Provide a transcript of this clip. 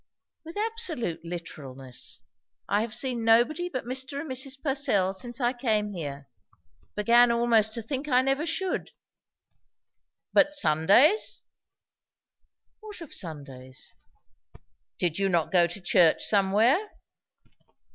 "With absolute literalness. I have seen nobody but Mr. and Mrs. Purcell since I came here. Began almost to think I never should." "But Sundays?" "What of Sundays?" "Did you not go to church somewhere?"